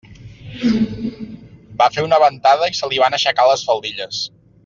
Va fer una ventada i se li van aixecar les faldilles.